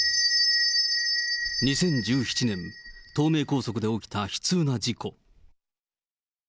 ２０１７年、東名高速で起きた悲痛な事故。